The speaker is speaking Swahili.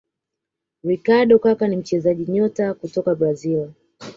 ricardo Kaka ni mchezaji nyota kutoka brazil